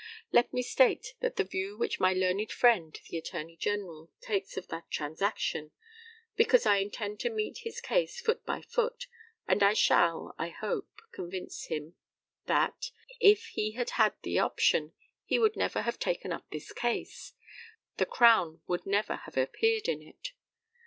Let me state the view which my learned friend (the Attorney General) takes of that transaction, because I intend to meet his case foot by foot, and I shall, I hope convince him that, if he had had the option, he would never have taken up this case the Crown would never have appeared in it.